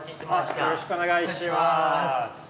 よろしくお願いします。